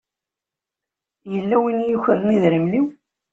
Yella win i yukren idrimen-iw.